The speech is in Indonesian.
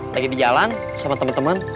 lagi di jalan sama temen temen